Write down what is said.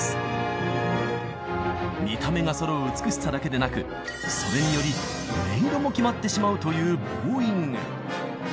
見た目がそろう美しさだけでなくそれにより音色も決まってしまうというボウイング。